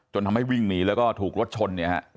จนทำให้วิ่งหนีแล้วก็ถูกรถชน